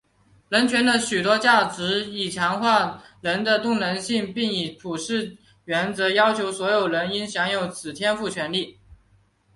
人权的许多价值以强化人的能动性并以普世原则要求所有人应享有此天赋权利。